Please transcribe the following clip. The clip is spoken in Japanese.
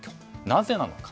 なぜなのか。